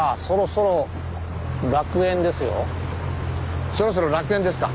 そろそろ楽園ですか。